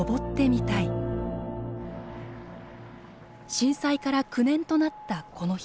震災から９年となったこの日。